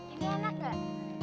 ini enak gak